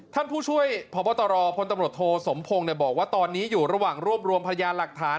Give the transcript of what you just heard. ท่านผู้ช่วยพบตรพลตำรวจโทสมพงศ์บอกว่าตอนนี้อยู่ระหว่างรวบรวมพยานหลักฐาน